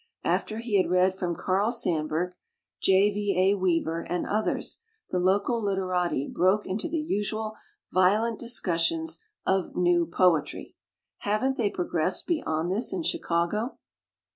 After he had read from Carl Sandburg, J. V. A. Weaver, and others, the local liter ati broke into the usual violent discus sion of "new" poetry. Haven't they progressed beyond this in Chicago?